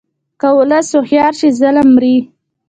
که ولس هوښیار شي، ظلم مري.